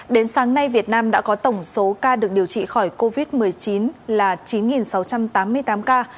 đến sáng nay việt nam đã có tổng số ca được điều trị khỏi covid một mươi chín là chín sáu trăm tám mươi tám ca